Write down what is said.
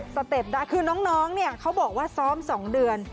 สเต็ปได้คือน้องเนี่ยเขาบอกว่าซ้อม๒เดือน